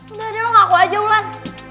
udah deh lo ngaku aja ulan